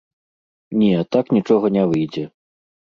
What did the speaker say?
Не, такі нічога не выйдзе.